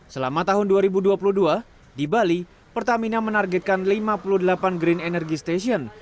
selama tahun dua ribu dua puluh dua di bali pertamina menargetkan lima puluh delapan green energy station